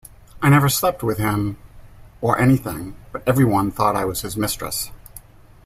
I never slept with him or anything, but everyone thought I was his mistress.